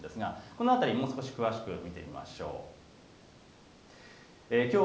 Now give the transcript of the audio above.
この辺り詳しく見てみましょう。